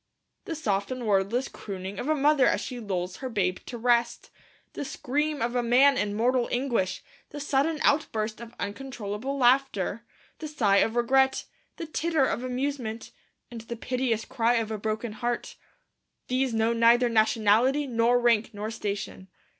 The soft and wordless crooning of a mother as she lulls her babe to rest; the scream of a man in mortal anguish; the sudden outburst of uncontrollable laughter; the sigh of regret; the titter of amusement; and the piteous cry of a broken heart, these know neither nationality nor rank nor station.